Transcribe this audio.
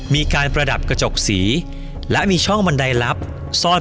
ประดับกระจกสีและมีช่องบันไดลับซ่อน